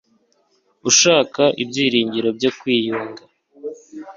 ushaka, ibyiringiro byo kwiyunga